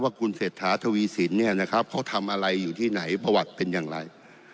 ว่าคุณเศรษฐาทวีสินเนี่ยนะครับเขาทำอะไรอยู่ที่ไหนประวัติเป็นอย่างไร